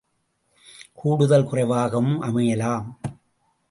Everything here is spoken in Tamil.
கூடுதல், குறைவாகவும் அமையலாம்.